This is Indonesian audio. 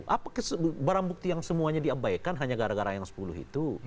apa barang bukti yang semuanya diabaikan hanya gara gara yang sepuluh itu